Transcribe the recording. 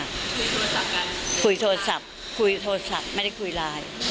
คุยโทรศัพท์กันคุยโทรศัพท์คุยโทรศัพท์ไม่ได้คุยไลน์